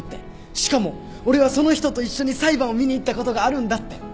しかも俺はその人と一緒に裁判を見に行ったことがあるんだって。